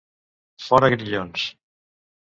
Fora Grillons!